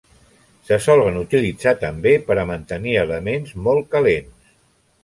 Se solen utilitzar també per a mantenir elements molt calents.